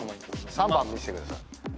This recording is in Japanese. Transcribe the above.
３番見せてください。